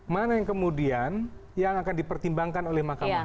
mana yang kemudian yang akan dipertimbangkan oleh mahkamah agung